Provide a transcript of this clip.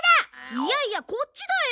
いやいやこっちだよ！